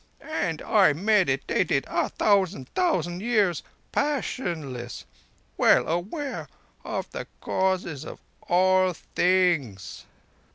And I meditated a thousand thousand years, passionless, well aware of the Causes of all Things.